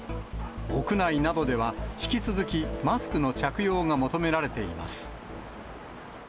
屋内などでは、引き続きマスクの着用が求められています。